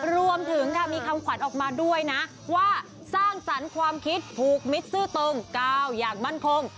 รวมถึงค่ะมีคำขวัญออกมาด้วยนะว่าสร้างสรรค์ความคิดผูกมิตรซื่อตรงก้าวอย่างมั่นคง